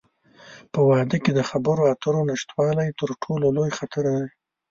په واده کې د خبرو اترو نشتوالی، تر ټولو لوی خطر دی.